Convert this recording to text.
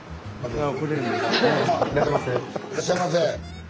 いらっしゃいませ！